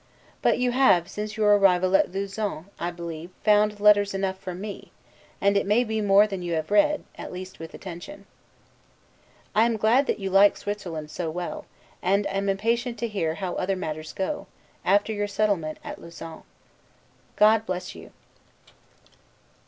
But you have, since your arrival at Lausanne, I believe, found letters enough from me; and it may be more than you have read, at least with attention. I am glad that you like Switzerland so well; and am impatient to hear how other matters go, after your settlement at Lausanne. God bless you!